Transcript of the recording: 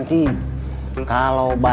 gue nggak tahu